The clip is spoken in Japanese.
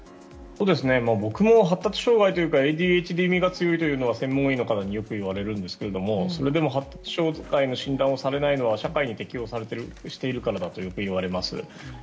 僕も発達障害みが強いと専門医の方によく言われるんですがそれでも発達障害と診断されないのは社会に適応されているからだとよく言われます。